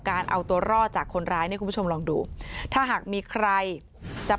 การเอาตัวรอดจากคนร้ายเนี่ยคุณผู้ชมลองดูถ้าหากมีใครจะ